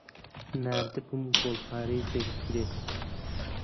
ناردبووم گوێلپارێک بگرێت.